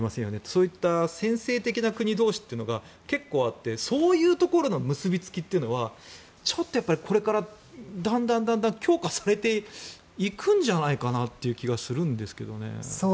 そういった専制的な国同士というのは結構あって、そういうところの結びつきというのはちょっとこれからだんだん強化されていくんじゃないかなという気がするんですけどね。